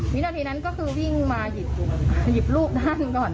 วินาทีนั้นก็คือวิ่งมาหยิบรูปนั่งก่อน